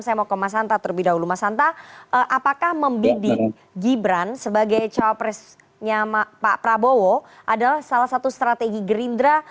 saya mau ke mas hanta terlebih dahulu mas hanta apakah membidik gibran sebagai cawapresnya pak prabowo adalah salah satu strategi gerindra